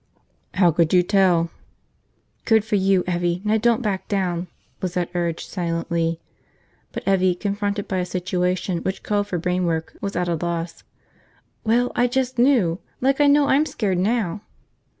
"How could you tell?" Good for you, Evvie, now don't back down, Lizette urged silently. But Evvie, confronted by a situation which called for brainwork, was at a loss. "Well, I just knew. Like I know I'm scared now!"